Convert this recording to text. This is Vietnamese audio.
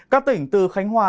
các tỉnh từ khánh hòa